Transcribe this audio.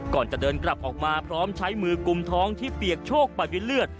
ก่อนจะเดินกลับออกมาพร้อมใช้มือกลุ่มท้องที่เปียกโชคไปด้วยเลือด